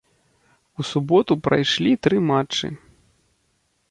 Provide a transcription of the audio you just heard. У суботу прайшлі тры матчы.